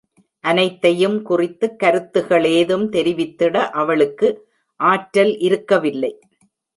அனைத்தையும் குறித்து கருத்துகளேதும் தெரிவித்திட அவளுக்கு ஆற்றல் இருக்கவில்லை.